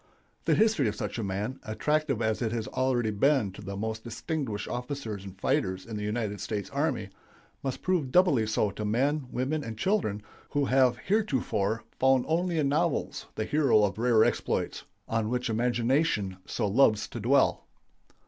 The history of such a man, attractive as it has already been to the most distinguished officers and fighters in the United States Army, must prove doubly so to men, women, and children who have heretofore found only in novels the hero of rare exploits, on which imagination so loves to dwell.